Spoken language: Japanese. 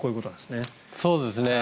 そうですね。